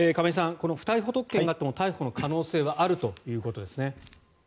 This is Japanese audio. この不逮捕特権があっても逮捕の可能性はあるということですね。